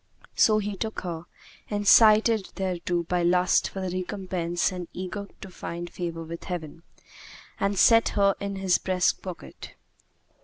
So he took her, incited thereto by lust for the recompense and eager to find favour with Heaven, and set her in his breastpocket.